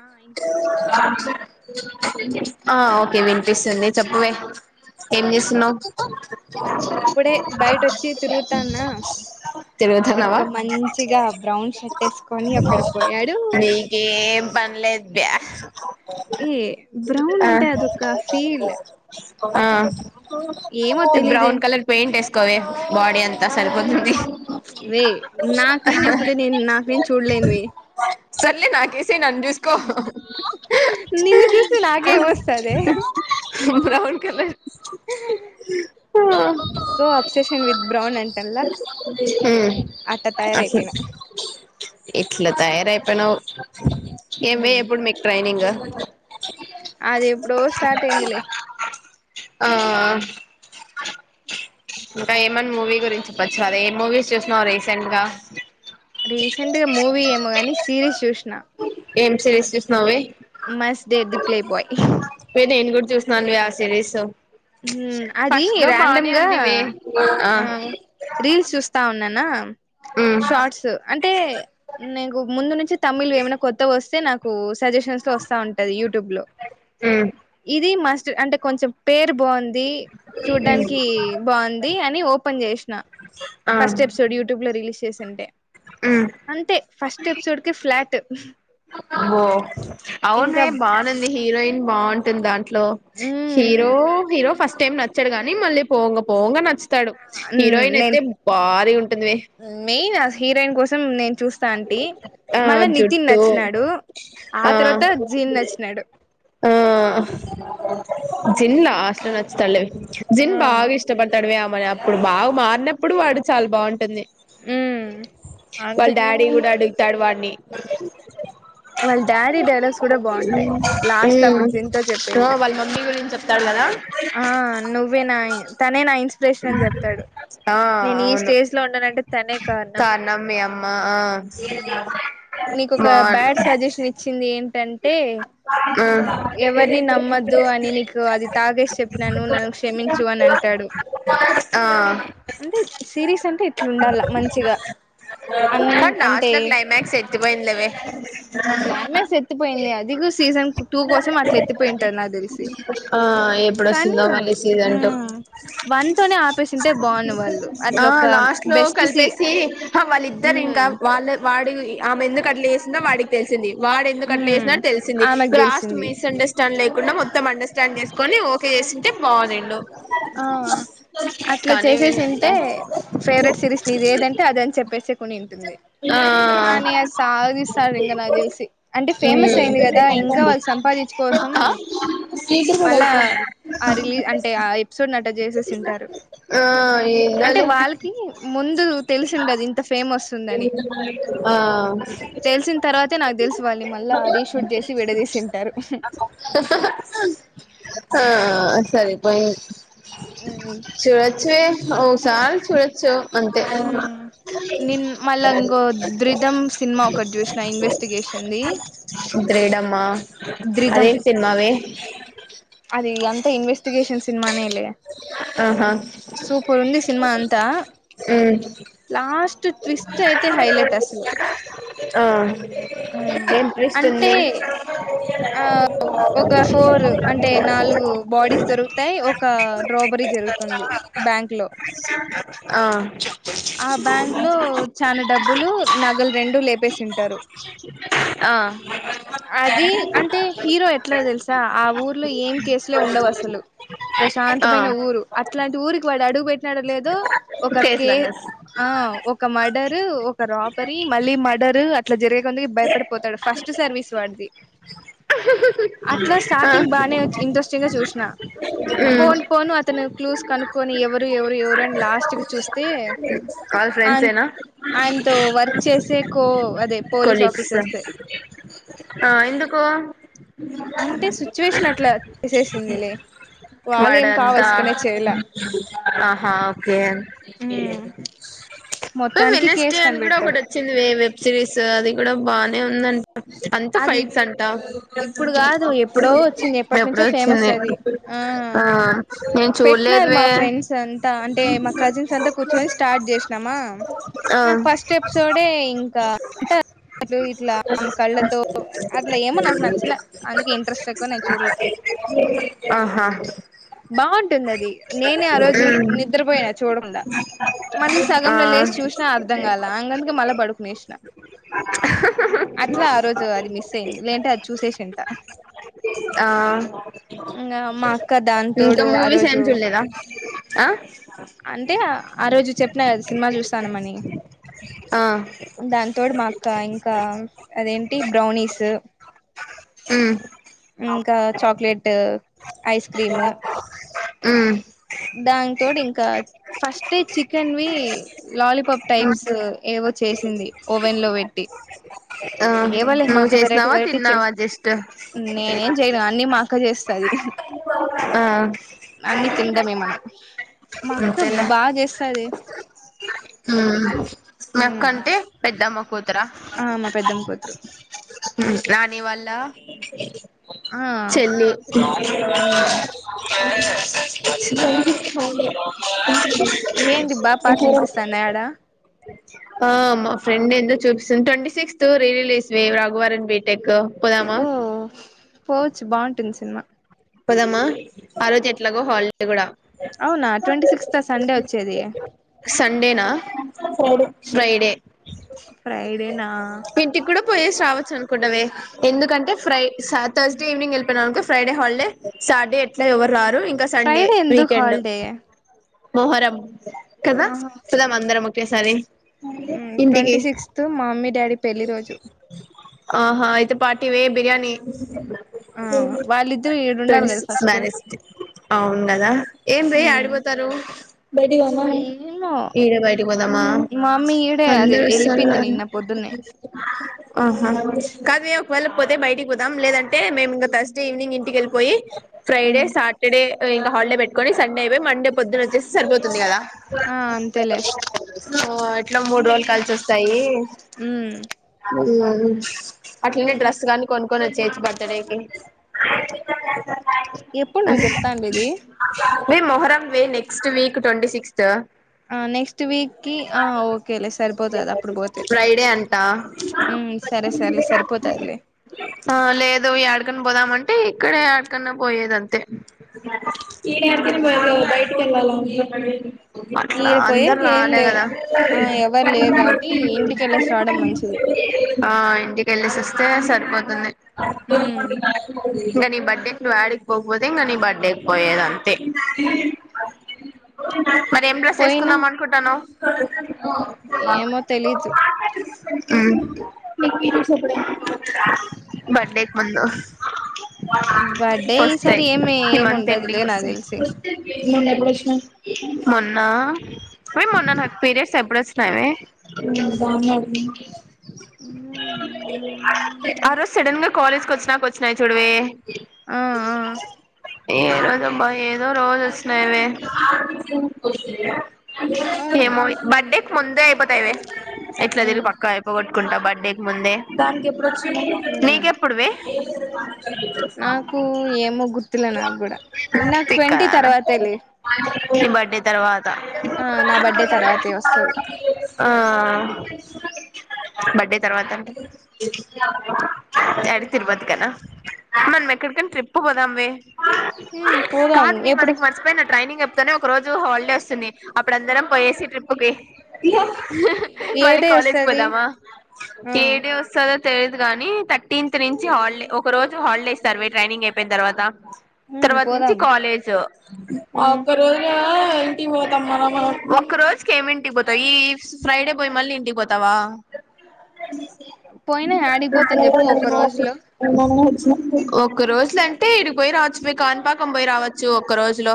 ఆ ఇనిపిస్తాందా ఆ ఓకే వినిపిస్తుంది చెప్పు వే ఏం చేస్తున్నావ్ ఇప్పుడే బయట వచ్చి తిరుగుతాన్నా ఇక్కడ ఒక మంచిగా బ్రౌన్ షర్ట్ వేసుకొని ఒక్కడు పోయాడు నీకేం పని లేదు ఏ బ్రౌన్ ఆ అంటే అదొక ఫీల్ ఆ ఏమో తెలీదే బ్రౌన్ కలర్ పెయింట్ ఎస్కోవే బాడి అంతా సరిపోతుంది వే నాకు నేను వేసుకుంట నేను నాకూ నేను చూడలేను వే సర్లే నాకేసి నన్ జూ కో నిన్ను చూస్తే నాకేం వస్తదే ఉర్కే లె సో అప్సెషన్ విత్ బ్రౌన్ అంటల అట తయారయిపోయినా ఎట్లా తయారయిపోయినావు ఏం వే ఇప్పుడు మీకు ట్రైనింగ్ అది ఎప్పుడో స్టార్ట్ అయిందిలే ఆ ఇంకా ఏమని మూవీ గురించి చెప్పచ్చు కద ఏ మూవీస్ చూసినవు రీసెంట్ గా రీసెంట్గా మూవీ ఏమో గాని సిరీస్ చూసినా ఏం సిరీస్ చూసినవే must date the play boy వే నేను కూడా చూసినాను వే ఆ సిరీస్ ఊ అది ఫస్ట్ లో రాండమ్ బానే గా ఉంది వే ఆ రీల్స్ చూస్తా ఉన్నానా ఉమ్ షార్ట్స్ అంటే నేకు ముందు నుంచి తమిళ్ ఏమన్నా కొత్త వస్తే నాకు సజెషన్స్ లో వస్తా ఉంటది యూట్యూబ్ లో ఉమ్ ఇది మస్ట్ అంటే కొంచెం పేరు బాగుంది ది చూడ్డానికి బాగుంది అని ఓపెన్ చేసిన ఆ ఫస్ట్ ఎపిసోడ్ యూట్యూబ్ లో రిలీజ్ చేసింటే ఉ అంతే ఫస్ట్ ఎపిసోడ్ కి ఫ్లాట్ అబో ఇంకా అవునువే బాగునుంది హీరోయిన్ బాగుంటుంది దా ట్లో హ్మ్ హీరో హీరో ఫస్ట్ టైమ్ నచ్చడు గాని మళ్ళీ పోంగా పోంగా నచ్చుతాడు హీరోయిన్ నేను అయితే భారీ ఉంటుంది మెయిన్ ఆ హీరోయిన్ కోసం నేను చూస్తాంటి ఆ మళ్ళా నితిన్ జుట్టు నచ్చినాడు ఆ తర్వాత జీన్ నచ్చినాడు ఆ జిన్ లాస్ట్ లో నచ్చుతాళే జిన్ ఆ బాగా ఇష్ ష్టపడతాడు ఆమెని అప్పుడు బాగా మారినప్పుడు వాడు చాలా బాగుంటుంది ఉమ్ వాళ్ళ అంతకు డాడీ ముందు గూడా అడుగుతాడు వాడిని వాళ్ళ డాడీ డైలాగ్స్ గూడా బాగుంటాయి లాస్ట్ ఇట్లా అప్పుడు జిన్తో చెప్పేది ఆ వాళ్ళ మమ్మీ గురించి చెప్తాడు కదా ఆ నువ్వే నా తనే నా ఇన్స్ పేష్నా అని చెప్తాడు ఆ నేను ఈ అవును స్టేజ్ లో ఉన్నానంటే కారణం మీ అమ్మ ఆ మీకొక బాన్ బ్యాడ్ సజెషన్ ఇచ్చింది ఏంటంటే ఆ ఎవరిని నమ్మొద్దు అని నీకు అది తాగేసి చెప్పినాను నన్ను క్షమించు అని అంటాడు ఆ అంటే సిరీస్ అంటే ఇట్లా ఉండల్లా మంచిగా అన్ అంటే ఎత్తిపోయింది లేవే క్లైమేట్స్ ఎత్తిపోయింది అది కూడ సీజన్ టూ కోసం అట్లా ఎత్తిపోయింటాది నాకు తెలిసి ఆ ఎప్పుడు కానీ వస్తుందో మళ్ళీ సీజన్ టూ మ్మ్ వన్ తోనే ఆపేసింటే బాగున్న వాళ్ళు అట్లా ఆ ఒక లాస్ట్ లో బెస్ట్ సి కలిపేసి హ వాళ్ళిద్దరు ఇంగా మ్మ్ వాళ్ళ వాడి ఆమె ఎందుకు అట్ల చేసిందో వాడికి తెలిసింది వాడ ఏ ఎందుకట్లా మ్మ్ చేసిందో తెలిసింది ఆమెకు లాస్ట్ తెలిసింది మిస్ అండర్స్టాండ్ లేకుండా మొత్తం అండర్స్టాండ్ చేసుకొని ఓ ఓకే చేసింటే బాగునిండు ఆ అట్లా కానీ వీళంతా చేసేసింటే ఫేవరెట్ సిరీస్ నీది ఏదంటే అదని చెప్పేసే కొని ఉంటుంది ఆ కానీ అ సాగధిస్తాడు ఇంగా నాకు తెలిసి అంటే ఫేమస్ ఉమ్ అయింది గదా ఇంకా వాళ్ళు సంపాదించు కోసం స్పీకర్ మీద మళ్ళా అయిపోయింది ఆ రిలీజ్ అంటే ఆ ఎపిసోడ్ అట్ట చేసేసింటారు ఆ అంటే ఏందోలే వాళ్ళకి ముందు తెలిసిండది ఇంత ఫేమ్ వస్తుందని ఆ తెలిసిన తర్వాతే నాకు తెలిసి వాళ్ళు మళ్ళా రీషూట్ చేసి విడదీసింటారు ఆ సరీపోయిన్ చూడచ్చవే ఓ సారి చూడొచ్చు అంతే నేను మళ్ళా ఇంగొ ధృధమ్ సినిమా ఒకటి చూసిన ఇన్వెస్టిగేషన్ది ద్రీడమ్మా ద్రిధం అదేం సినిమవే అది అంత ఇన్వెస్టిగేషన్ సినిమా నేలే ఆహా సూపర్ ఉంది సినిమా అంతా ఉమ్ లాస్ట్ ట్విస్ట్ అయితే హైలైట్ అసలు ఆ ఏం ట్విస్ట్ అంటే ఉంది ఆ ఒక ఫోర్ అంటే నాలుగు బాడీస్ దొరుకుతాయి ఒక రోబరీ జరుగుతుంది బ్యాంక్ లో ఆ ఆ బ్యాంక్ లో చానా డబ్బులు నగలు రెండు లేపేసింటారు ఆ అది అంటే హీరో ఎట్లోతెలుసా ఆ ఊర్లో ఏం కేసులే ఉండవు అసలు ఆ ప్రశాంతమైన ఊరు అట్లాంటి ఊరికి వాడు అడుగు పెట్టినడ లేదో ఒక కే కేస్లన్నర్స్ ఆ ఒక మర్డర్ ఒక రాపరీ మళ్ళీ మర్డర్ అట్లా జరిగే కొందుకి భయపడిపోతాడు ఫస్ట్ సర్వీస్ వాడిది ఆ అట్లా స్టార్టింగ్ బాగానే ఇంట్రెస్టింగ్ గా చూసిన ఉమ్ పోన్ పోను అతను క్లూస్ కనుక్కొని ఎవరు ఎవరు ఎవరు అని లాస్ట్ క చూస్తే కాల్ ఫ్రెండ్స్ ఆన్ ఏనా ఆయనతో వర్క్ చేసే కో అదే పోలీస్ కొలీక్స్ ఆఫీసర్స్ ఆ ఎందుకు అంటే సిచ్యువేషన్ అట్లా చేసేసిందిలే వాళ్ళ ఏం వాడంతా కావల్స కానే చేయ్యలే ఆహా ఓకే ఉమ్ మొత్తానికి వినెస్టి కేసు అని కూడా ఒకటి కనిపెడతాడు వచ్చింది వెబ్ సిరీస్ అది కూడా బాగానే ఉందండి అంత అది ఫైట్స్ అంట ఇప్పుడు కాదు ఎప్పుడో వచ్చింది ఎప్పటి ఎప్పుడ నుంచో ఫేమస్ వచ్చింది అది ఆ నేను పెట్టినారు మా చూడలేదువే ఫ్రెండ్స్ అంతా అంటే మా కజిన్స్ అంతా కూర్చొని స్టార్ట్ చేసినామా ఆ నాకు ఫస్ట్ ఎపిసోడే ఇంకా అంట అ ఇట్లా ఆమే కళ్ళ తో అట్లా ఏమో నాకు నచ్చలే అందుకు ఇంట్రెస్ట్ ఎక్కువ నేను చూడలే ఆహా బాగుంటుంది అది నేనే ఆ రోజు ఉమ్ నిద్రపోయినా చూడకుండా మళ్ళీ ఆ సగంల లేచి చూసినా అర్థం కాల అందుకే మళ్ళ పడుకునేషి అట్లా ఆ రోజు అది మిస్ అయింది లేంటే అది చూసేసింట ఆ ఇంగా మా అక్క ఇంకా దానితోడు ఆ మూవీస్ రోజు ఏమి చూడలేదా ఆ అంటే ఆ రోజు చెప్పిన కదా సినిమా చూస్తానుమని ఆ దాని తోటి మా అక్క ఇంకా అదేంటి బ్రౌనీస్ ఉ ఇంకా చాక్లెట్ ఐస్ క్రీమ్ ఉ దాని తోటి ఇంకా ఫస్టే చికెన్ వి లాలీపప్ ఉమ్ టైప్స్ ఏవో చేసింది ఓవెన్ లో పెట్టి ఆ ఏవోలే మా నువ్వు అక్క వెరైటీ చేసినావా వెరైటీ చేస్ తిన్నావా జస్ట్ నేనేం చేయ్యను అన్నీ మా అక్క చేస్తది ఆ అన్నీ తిండమే మనం మా అక్క బాగా చేస్తది మా మ్మ్ అక్కంటే పెద్దమ్మ కూతుర ఆ మా పెద్దమ్మ కూతురు నానివల్ల ఆ మ్మ్ [unintelligible] ఏంది బా పాటలు వినిపిస్తాన్నాయి ఆడ [unintelligible] ఆ మా ఫ్రెండ్ ఎందు చూపిస్త ట్వంటీ సిక్స్త్ రిలీస్వి రఘువరన్ బీ ట్ ఎకు పోదమా ఓ పోవచ్చు బాగుంటుంది సినిమా పోదామా ఆరోజు ఎట్లాగో హాలి అ కూడా [unintelligible] అవునా ట్వంటీ సిక్స్త్ సండే వచ్చేది సండేనా ఫ్రైడే ఫ్రైడే ఫ్రైడేనా ఇంటికి కూడా పోయేసి రావచ్చు అనుకుంటావే ఎందుకంటే ఫ్రై ఠుర్స్దయ్ ఈవినింగ్ వెళ్లిపోయామనుకో ఫ్రైడే హల్డే సాార్డే ఎట్ ఇట్లా ఎవరు రారు ఇంకా సండే ఫ్రైడే ఎందుకు వీకెండ్ హాలిడే మొహరం కదా ఆహా పోదాం అందరం ఒకేసారి ఇంటికి ట్వంటీ సిక్స్త్ మా మమ్మీ డాడీ పెళ్లిి రోజు ఆహా ఇయితే పార్టీవే బిర్యానీ ఆ వాళ్ళిద్దరు ఈడుండాలి ట్వంటీ కదా సిక్స్ ఫస్ట్ మ్యారేజ్ డే అవును కదా ఏం వే ఏడకి పో తరు బయటికి పొదామ ఏమో ఇడే బయటికి పోదామా మా మమ్మీ ఈడే అదే అందరు వస్తారో వెళ్ళిపోయింది రారో నిన్న [inaudible] ఆహా కాద వే ఒకవేళ పోతే బయటికి పోదాం లేదంటే మేము ఇంకా థర్స్ట్ డే ఈవినింగ్ ఇంటికి వెళ్ళిపోయి ఫ్రైడే సాటర్డే ఇంకా హాలిడే పెట్టుకొని సండే ఇవ మండే పొద్దున్న వచ్చేస్తే సరివుతుంది కదా ఆ అంతేలే ఆట్లా మూడు రోజులు కలిసి వస్తాయి ఉ ఉ అట్లనే డ్రెస్ కానీ కొనుక్కొని వచేయచు బర్తడేకి ఎప్పుడు నువ్వు చెప్తా అండి ఇది వే మొహరం వే నెక్స్ట్ వీక్ ట్వంటీ సిక్స్త్ ఆ నెక్స్ట్ వీక్కిి ఆ ఓకేలే సరిపోతది అప్పుడు పోతే ఫ్రైడే అంటా ఉ సరే సరలే సరిపోతాదిల్ ఆ లేదు ఎదకైనా పోదాం అంటే ఇక్కడే ఏడకన్నా పోయేది అంతే ఈడెల్తెనే బా బయటికెళ్లాలన్ జేప్పి అట్లా ఈడ అందర్ పోయేకి ఏం రాలే లేవు గదా ఆ ఎవరు లేరు కాబట్టి ఇంటికెళ్ళేసి రావడం మంచిది ఆ ఇంటికెళ్లేసస్తే సరిపోతుంది. ఉమ్ ఇంక నీ బర్త్డే నువ్ యాడిక్ పోకపోతే ఇంక నీ బర్త్డేక్ పోయేదంతే ఆ ఇల్లు మరి ఏం డ్రెస్ ఏస్కుందాం అనుకుంటన్నవ్ ఏమో తెలీదు మ్ బడ్డేక్ ముందు బడ్డే ఈ వస్తాయి సరి ఏమి ఈ ఏం మంత్ ఉండదులే ఎండింగ్ నాక్ వస్తాయి తెల్సీ మొన్న ఎప్పుడ్ వచ్చిన మ్ బాగున్నావా నువ్ ఆ రోజ్ సడన్గ కాలేజ్ కొచ్చినాక వచ్చినాయి చూడవే ఆ ఆ ఏ ఏదోమా ఏదో రోజ్ వస్ లేవే అవును ఏమోయి బర్త్డేక్ ముందే అయిపోతయివే ఎట్ల దీన్ని ఉమ్ పక్కా అయిపోగొట్టుకుంటా బర్త్డేక్ ముందే ఉమ్ ఎప్పుడువే నాకు ఏమో గుర్తులే నాకు కూడా నాకు ఇక్కా ట్వంటీ తర్వాతేలే నీ బర్త్డే తర్వాత ఆ నా బర్త్డే తర్వాతే వస్తది ఆ బడ్డే తర్వాత అంటే యాడిక్ తిరుపతికేనా మనం ఎక్కడ్కైన ట్రిప్పు పోదాంవే హ్ పోదాం కాదువే ఎప్పుడు? మనకి మర్చిపోయిన ట్రైనింగ్ చెప్తనే ఒక రోజు హాల్డే వస్తుంది అప్పుడ్ అందరం పోయేసి ట్రిప్కి ఏ మళ్లీ డే కాలేజ్ వస్తది పోదామా ఆ ఈడ్ వస్తారో తెలీదు గాని థర్టీన్త్ నుంచి హాల్డే ఒక రోజు హాల్డే ఇస్తారువే ట్రైనింగ్ అయిపొయిన్ తర్వాత ఉమ్ తర్వాత నుంచి పోదాం కాలేజ్ ఒక్క ఉమ్ రోజుకేం ఇంటిక్ పోతాం ఈ ఈర్ ఫ్రైడే పొయి మళ్ళీ ఇంటిక్ పోతావా? పోయినా యాడికిపోతాం చెప్పు ఒక రేపు ఆఫ్ రోజులో ఒక్క రోజులంటే ఈడిక్ పొయిరావచ్చువే కాణిపాకం పొయి రావచ్చు. ఒక్క రోజులో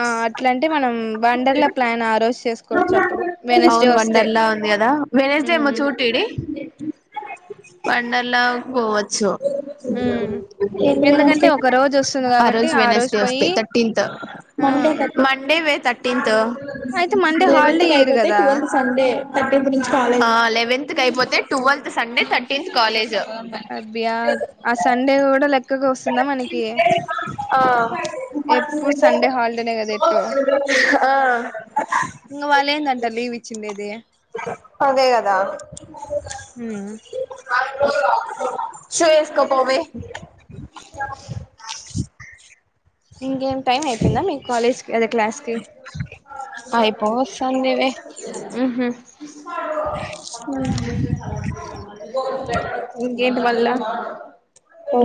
ఆ అట్లంటే మనం వండర్ల ప్లాన్ ఆ రోజ్ చేస్కోవచ్చు అప్పుడు వేడ్నెస్డే వస్తే లా ఉంది గదా వెడ్నెస్ డే ఏమో ఉమ్ చూడ్ టిడి వండర్లా పోవచ్చు. ఉమ్ ఎందుకంటే ఒక రోజు వస్తుంది ఆ కాబట్టి రోజు వెడ్నెస్డే వస్ టె పోయి థర్టీన్త్ ఆ మండే వే థర్టీన్త్ అయితే మండే హాలిడే లెవెన్త్కి ఇయ్యరు అయిపోతే కదా ట్వెల్త్ సండే ఆ లేవెంత్కైపోతే టువెల్త్ సండే థర్టీన్త్ కాలేజ్ అబ్బియా ఆ సండే గుడ లెక్కకు వస్తుందా మనకీ ఆ ఎప్పుడు సండే హాల్డేనే గదా ఎటో ఆ ఇంగ వాళ్ళేందంట లీవ్ ఇచ్చిండేది. అదే గదా ఉమ్ సూ వేసుకో పోబే, ఇంకేం టైమ్ అయిపోందా మీకు కాలేజ్ కి ఇట్లా, క్లాస్కి హు హు [inaudible] ఇంకా ఏంటి మళ్ళ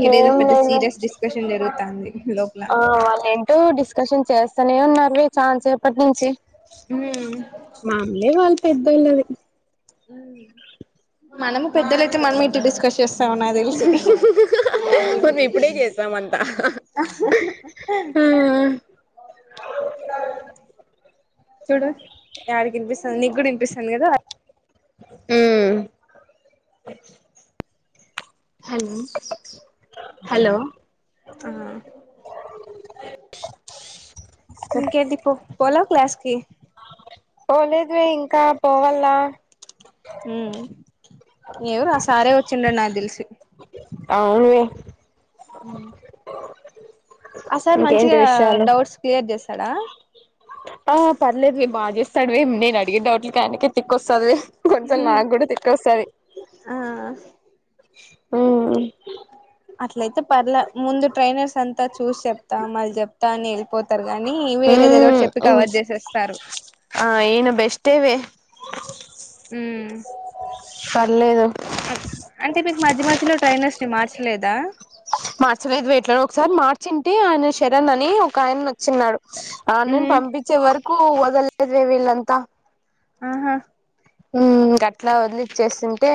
ఇదేదో పెద్ద సీరియస్ డిస్కన్, జరుగుతంధి లో, ఆ వాళ్ళు ఏంటో డిస్కషన్ చేస్తానే ఉన్నారు చాలాసేపటి నుంచి, హు మామలే వాళ్ళు పెద్దోళ్లది, అ, మనము పెద్దలయితే మనం ఇటు డిస్కస్ చేస్తాం నకు తెలిసి, ఇప్పుడే చేస్తాం అంతా హ హ, అ హ చూడు యాడికి వినిపిస్తాందో నీకూడా వినిపిస్తాంది కదా, ఉమ్, హల్, ఇకంటి పో పోల క్లాస్కి, పోలేదు వే ఇంకా పోవాలనా, ఉమ్, ఎవరు ఆ సారే వచ్చిండడు నాకు తెలిసి, అవునువే, హు [inaudible] ఆ సార్ ఇంకేంటి మంచిగా విషయాలు డౌట్స్ క్లియర్ చేస్తాడా, ఆ పర్లేదు మే బాగా చేస్తాడు మే నేను అడిగిన డౌట్లకి ఆనకే తిక్ొస్తది. కొంచెం నాకు కూడా తిక్కొ వస్తుది. ఆ అట్లయితే పర్లే ముందు ట్రైనర్స్ అంతా చూసి చెప్తా మళ్ళీ చెప్తా అని వెళ్ళిపోతా. ఇత్తారు గాని వేరేది ఏదో ఒకటి చెప్పి ఉమ్ కవర్ చేసేస్తారు. ఆ ఇన్న బెస్ట్ వే, హుమ్ పర్లేదు. అంటే మీకు మధ్య మధ్యలో ట్రైనర్స్ ని మార్చలేదా, మార్చలేదు వేట్ ఒకసారి మార్చింటే ఆయన శరణ్ అని ఒక ఆయన వచ్చినాడు. ఆ నేను పంపించే వరకు వదలేదువే వీళ్ళంతా, ఆహా, హు గా అట్లా వదిలిచ్చేస్తుంటే,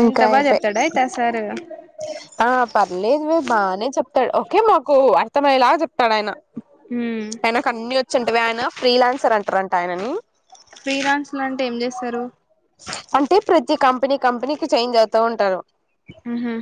అంత బాగా చెప్తాడ అయితే సారు. ఆ పర్లేదు వే బాగానే చెప్తాడు ఓకే మాకు అర్థమయ్యేలాగా చెప్, అడు ఆయన ఆయన కి అన్న వచ్చింటవి ఆయన ఫ్రీ లాన్సర్ అంటారంట ఆయనని, ఫ్రీరాన్స్ లాంటే ఏం చేస్తారు. అంటే ప్రతి కంపెనీ కంపెనీకి చేంజ్ అవుతా ఉంటారు. ఉహు